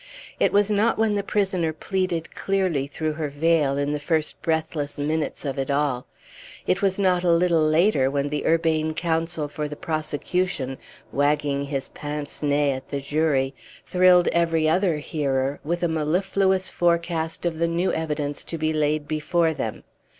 It was not when the prisoner pleaded clearly through her veil, in the first breathless minutes of all; it was not a little later, when the urbane counsel for the prosecution, wagging his pince nez at the jury, thrilled every other hearer with a mellifluous forecast of the new evidence to be laid before them.